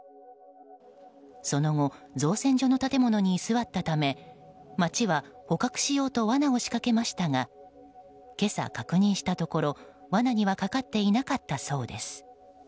その後造船所の建物に居座ったため町は、捕獲しようと罠を仕掛けましたが今朝、確認したところ罠にはかかっていなかったそうです。